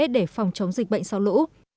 để phòng chống dịch bệnh sau lũ